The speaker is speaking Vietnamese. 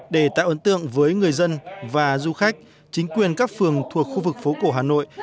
để tạo ấn tượng với người dân và du khách chính quyền các phường thuộc khu vực phố cổ hà nội